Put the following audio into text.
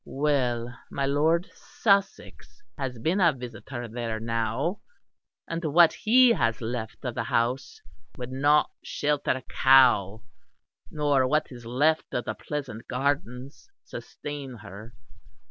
Well, my Lord Sussex has been a visitor there now; and what he has left of the house would not shelter a cow, nor what is left of the pleasant gardens sustain her.